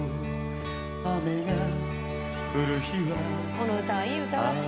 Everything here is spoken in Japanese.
「この歌はいい歌だった」